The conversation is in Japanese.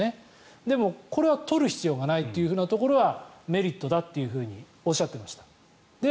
でも、これは取る必要がないというところがメリットだとおっしゃっていました。